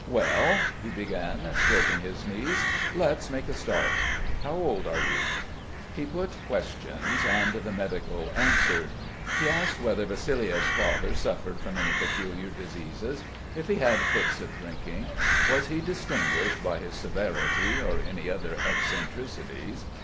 "Well?" he began, stroking his knees. "Let's make a start. How old are you?" He put questions and the medico answered. He asked whether Vassiliev's father suffered from any peculiar diseases, if he had fits of drinking, was he distinguished by his severity or any other eccentricities.